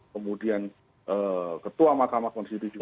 kemudian ketua mahkamah konstitusi juga